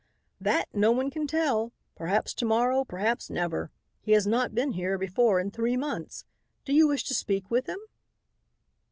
"That no one can tell. Perhaps to morrow, perhaps never. He has not been here before in three months. Did you wish to speak with him?"